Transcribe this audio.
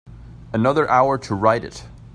Another hour to write it.